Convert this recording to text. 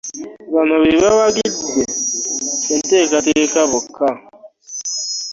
Bano be bawagidde enteekateeka bokka